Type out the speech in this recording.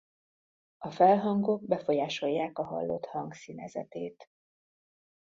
A felhangok befolyásolják a hallott hang színezetét.